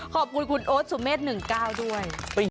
ขอบคุณคุณโอ๊ตสุเมษ๑๙ด้วย